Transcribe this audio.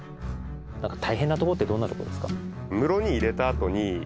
何か大変なとこってどんなとこですか？